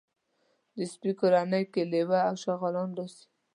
د سپي کورنۍ کې لېوه او شغالان راځي.